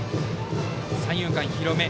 三遊間広め。